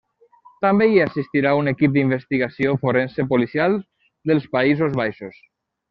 També hi assistirà un equip d'investigació forense policial dels Països Baixos.